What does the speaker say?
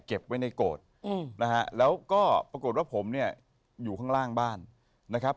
เก็บไว้ในโกรธนะฮะแล้วก็ปรากฏว่าผมเนี่ยอยู่ข้างล่างบ้านนะครับ